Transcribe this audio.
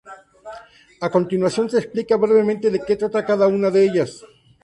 A continuación, se explica brevemente de que trata cada una de ellas.